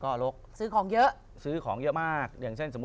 อ่าโอเค